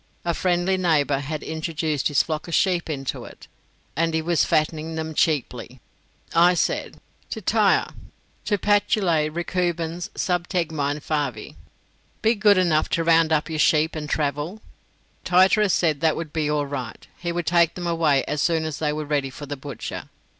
A friendly neighbour had introduced his flock of sheep into it, and he was fattening them cheaply. I said, "Tityre, tu patulae recubans sub tegmine fayi, be good enough to round up your sheep and travel." Tityrus said that would be all right; he would take them away as soon as they were ready for the butcher.